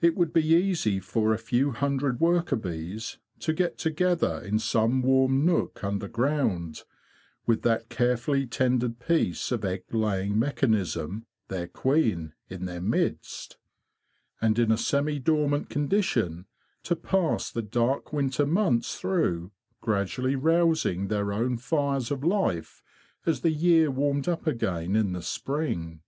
It would be easy for a few hundred worker bees to get together in some warm nook underground, with that carefully tended piece of egg laying mechanism, their queen, in their midst; and in a semi dormant condition to pass the dark winter months through, gradually rousing their own fires of life as the year warmed up again in the spring.